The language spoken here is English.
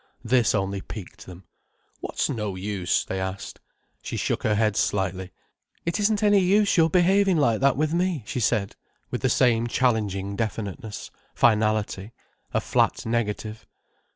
This only piqued them. "What's no use?" they asked. She shook her head slightly. "It isn't any use your behaving like that with me," she said, with the same challenging definiteness, finality: a flat negative.